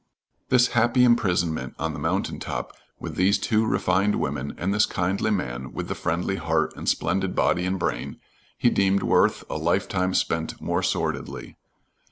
This happy imprisonment on the mountain top with these two refined women and this kindly man with the friendly heart and splendid body and brain, he deemed worth a lifetime spent more sordidly.